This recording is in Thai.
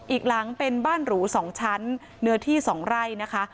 อีกหลังเป็นบ้านหรู๒ชั้นเนื้อที่๒ไร่นะคะ